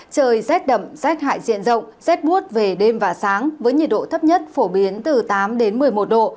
trời rét đậm rét hại diện rộng rét buốt về đêm và sáng với nhiệt độ thấp nhất phổ biến từ tám đến một mươi một độ